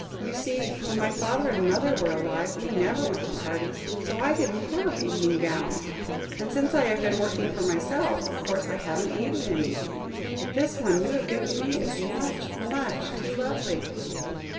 You see, when my father and mother were alive, we never went to parties, so I didn't have evening gowns. And since I have been working for myself, of course I haven't needed any, but this one you have given me is much, much too lovely."